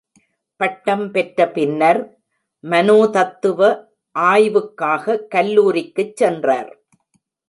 பட்டம் பெற்ற பின்னர், மனோதத்துவ ஆய்வுக்காக கல்லூரிக்குச் சென்றார்.